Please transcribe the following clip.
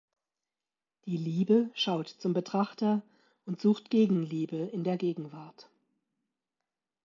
Die ‚Liebe‘ schaut zum Betrachter und sucht Gegenliebe in der Gegenwart.